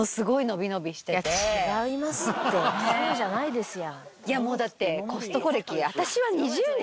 そうじゃないですよ。